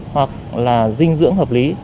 hoặc là dinh dưỡng hợp lý